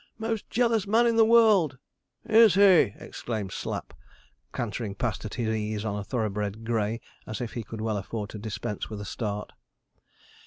'Most jealous man in the world.' 'Is he!' exclaimed Slapp, cantering past at his ease on a thoroughbred grey, as if he could well afford to dispense with a start.